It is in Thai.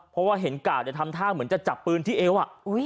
เพราะว่าเห็นกาดทำท่าเหมือนจะจับปืนที่เอว